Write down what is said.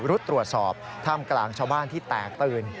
รุดตรวจสอบท่ามกลางชาวบ้านที่แตกตื่น